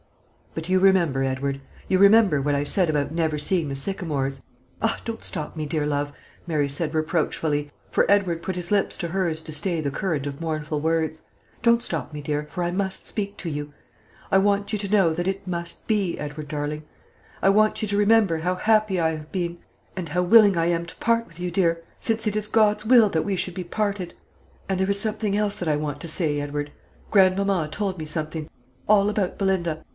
"But you remember, Edward, you remember what I said about never seeing the Sycamores? Ah! don't stop me, dear love," Mary said reproachfully, for Edward put his lips to hers to stay the current of mournful words, "don't stop me, dear, for I must speak to you. I want you to know that it must be, Edward darling. I want you to remember how happy I have been, and how willing I am to part with you, dear, since it is God's will that we should be parted. And there is something else that I want to say, Edward. Grandmamma told me something all about Belinda.